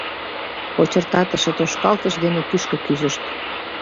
Кочыртатыше тошкалтыш дене кӱшкӧ кӱзышт.